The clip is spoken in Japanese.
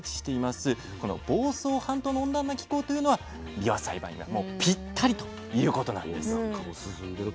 この房総半島の温暖な気候というのはびわ栽培にはもうぴったりということなんですよ。